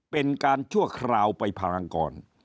เป็นการชั่วคราวไปพารางกร